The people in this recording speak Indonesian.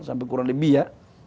sampai kurang lebih ya